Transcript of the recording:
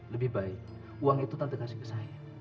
lebih baik uang itu nanti kasih ke saya